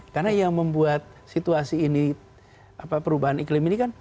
karena yang membuat situasi ini perubahan iklim ini kan